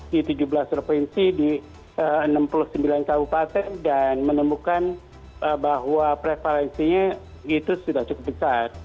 di tujuh belas provinsi di enam puluh sembilan kabupaten dan menemukan bahwa prevalensinya itu sudah cukup besar